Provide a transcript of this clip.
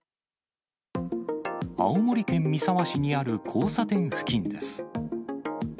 青森県三沢市にある交差点付近です。